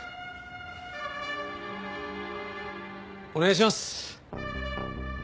お願いします！